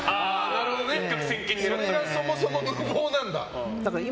それはそもそも無謀なんだ。